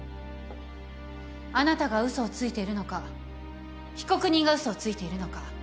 あなたが嘘をついているのか被告人が嘘をついているのか